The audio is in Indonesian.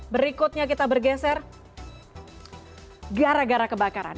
berikutnya kita bergeser gara gara kebakaran